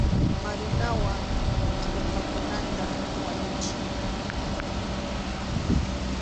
Marunawan kʼurpakunata wañuchiy.